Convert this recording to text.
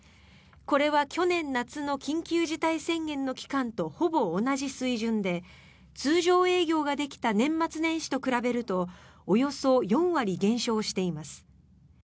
これは去年夏の緊急事態宣言の期間とほぼ同じ水準で通常営業ができた年末年始と比べるとおよそ４割減少しています。